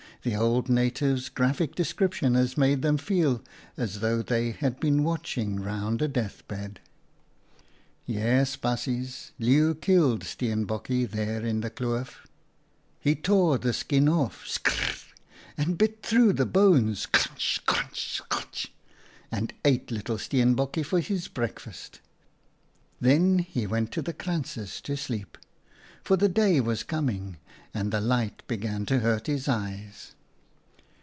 The old native's graphic description has made them feel as though they had been watching round a death bed. "Yes, baasjes, Leeuw killed Steenbokje there in the kloof. He tore the skin off — skr r r r — and bit through the bones — skrnch, skrnch, skrnch — and ate little Steenbokje for his breakfast. Then he went to the krantzes to sleep, for the day was coming and the light began to hurt his eyes.